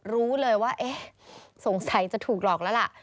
รู้เลยว่าเอ๊ะสงสัยจะถูกหลอกแล้วล่ะ